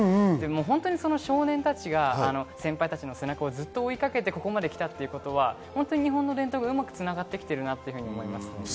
少年たちが先輩たちの背中をずっと追いかけてここまでやってきて、日本の伝統がうまく繋がってきているなと思います。